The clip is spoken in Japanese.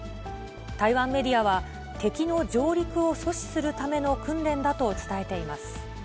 台湾メディアは、敵の上陸を阻止するための訓練だと伝えています。